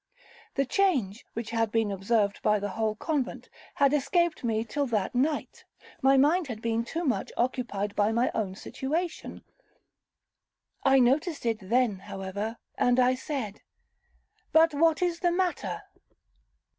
The change, which had been observed by the whole convent, had escaped me till that night; my mind had been too much occupied by my own situation. I noticed it then, however, and I said, 'But what is the matter?'